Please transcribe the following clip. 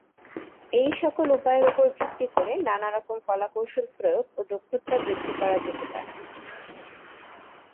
এই সকল উপায়ে র ওপর ভিত্তি করে নানা রকম কলাকৌশল প্রয়োগ ও দক্ষতা বৃদ্ধি করা যেতে পারে।